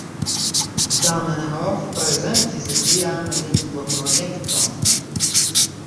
Zamenhof prezentis sian lingvoprojekton.